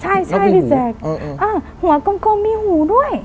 ใช่ถึงเนอะหัวกลมมีหูด้วย